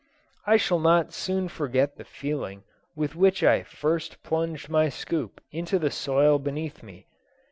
I shall not soon forget the feeling with which I first plunged my scoop into the soil beneath me.